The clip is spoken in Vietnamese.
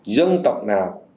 dân tộc nào